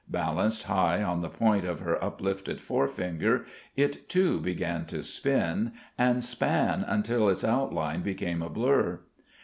Balanced high on the point of her uplifted forefinger, it too began to spin, and span until its outline became a blur.